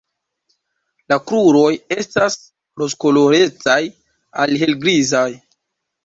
La kruroj estas rozkolorecaj al helgrizaj.